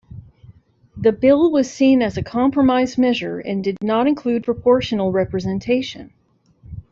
The Bill was seen as a compromise measure, and did not include proportional representation.